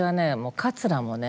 かつらもね